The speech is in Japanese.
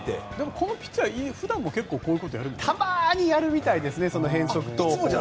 このピッチャー普段もこういうやるの？たまにやるみたいですね変則投法を。